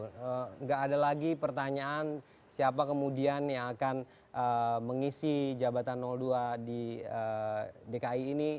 tidak ada lagi pertanyaan siapa kemudian yang akan mengisi jabatan dua di dki ini